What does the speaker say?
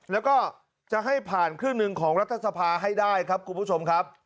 แล้วก็จะให้ผ่านครึ่งหนึ่งของรัฐสภาให้ได้ครับคุณผู้ชมครับ